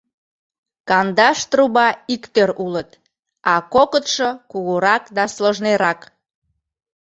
Кандаш труба иктӧр улыт, а кокытшо кугурак да сложныйрак.